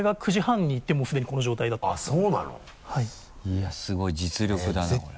いやすごい実力だなこれは。